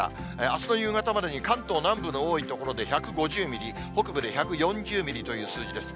あすの夕方までに、関東南部の多い所で１５０ミリ、北部で１４０ミリという数字です。